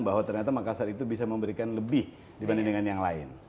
bahwa ternyata makassar itu bisa memberikan lebih dibanding dengan yang lain